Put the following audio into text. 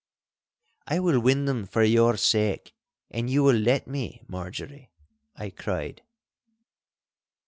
'I will win them for your sake, an you will let me, Marjorie!' I cried.